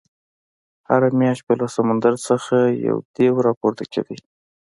هره میاشت به له سمندر څخه یو دېو راپورته کېدی.